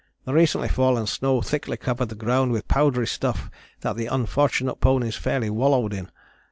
The recently fallen snow thickly covered the ground with powdery stuff that the unfortunate ponies fairly wallowed in.